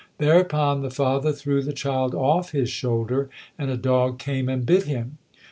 '" Thereupon the father threw the child off his shoulder, and a dog came and bit him.